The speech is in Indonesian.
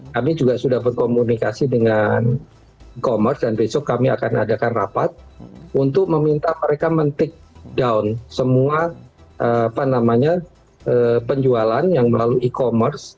kami juga sudah berkomunikasi dengan e commerce dan besok kami akan adakan rapat untuk meminta mereka men take down semua penjualan yang melalui e commerce